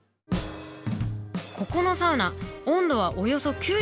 ここのサウナ温度はおよそ９０℃。